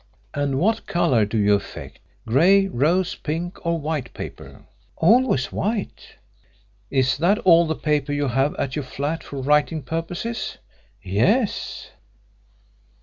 "And what colour do you affect grey, rose pink or white paper?" "Always white." "Is that all the paper you have at your flat for writing purposes?" "Yes."